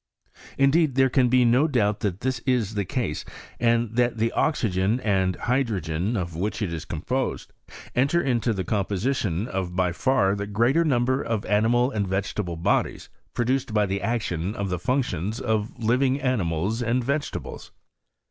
Indeed there can be no doubt that this is tbe case, and that the oxygen and hydro gen of which it is composed, enter into the compo sition of by far the greater number of animal and T^etable bodies produced by the action of the func tions of living animals and vegetables.